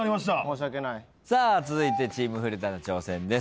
続いてチーム古田の挑戦です。